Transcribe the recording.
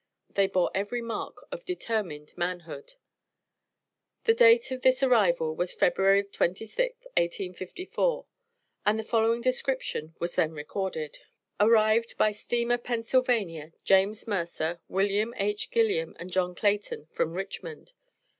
They bore every mark of determined manhood. The date of this arrival was February 26, 1854, and the following description was then recorded Arrived, by Steamer Pennsylvania, James Mercer, William H. Gilliam and John Clayton, from Richmond.